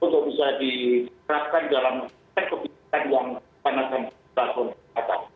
untuk bisa dikeraskan dalam kebijakan yang terhadap masyarakat jakarta